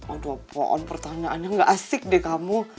aduh pohon pertanyaannya gak asik deh kamu